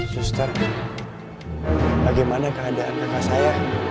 suster bagaimana keadaan kakak saya